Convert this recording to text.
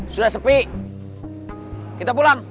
sudah sepi kita pulang